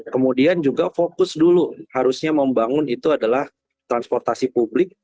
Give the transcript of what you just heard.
kemudian juga fokus dulu harusnya membangun itu adalah transportasi publik